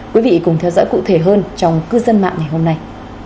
quý vị cùng theo dõi cụ thể hơn trong cư dân mạng ngày hôm nay